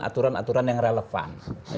aturan aturan yang relevan